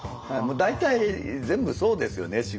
大体全部そうですよね。